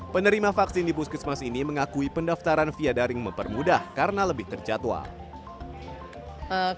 penerima vaksin di puskesmas ini mengakui pendaftaran via daring mempermudah karena lebih terjadwal